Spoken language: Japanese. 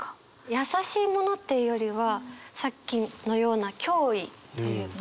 優しいものっていうよりはさっきのような脅威というか。